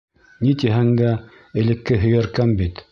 Ни тиһәң дә, элекке һөйәркәм бит!